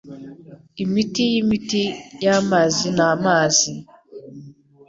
Imiti yimiti yamazi ni amazi.